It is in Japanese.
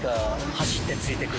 走ってついていく？